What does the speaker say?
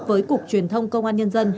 với cục truyền thông công an nhân dân